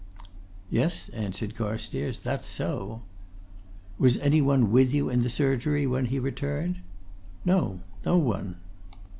"Yes," answered Carstairs. "That's so." "Was anyone with you in the surgery when he returned?" "No, no one."